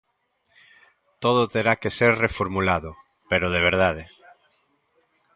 Todo terá que ser reformulado, pero de verdade.